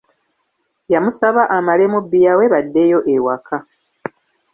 Yamusaba amalemu bbiya we baddeyo ewaka.